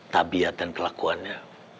tabiat dan kelakuannya